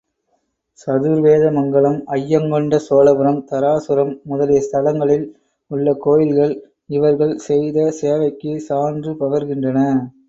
சதுர்வேத மங்கலம், ஜயங்கொண்ட சோழபுரம், தாராசுரம் முதலிய ஸ்தலங்களில் உள்ள கோயில்கள் இவர்கள் செய்த சேவைக்குச் சான்று பகர்கின்றன.